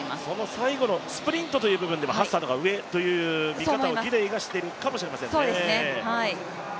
最後のスプリントという意味ではハッサンが上という見方をギデイがしているかもしれませんね。